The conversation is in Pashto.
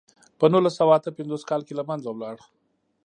په نولس سوه اته پنځوس کال کې له منځه لاړ.